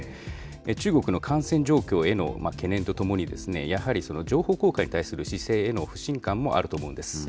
中国の感染状況への懸念とともに、やはり情報公開に対する姿勢への不信感もあると思うんです。